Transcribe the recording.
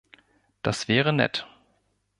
Das wäre nett.